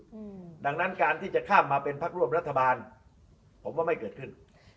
อืมดังนั้นการที่จะข้ามมาเป็นพักร่วมรัฐบาลผมว่าไม่เกิดขึ้น